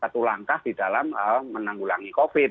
satu langkah di dalam menanggulangi covid